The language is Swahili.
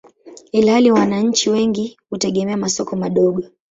ilhali wananchi wengi hutegemea masoko madogo.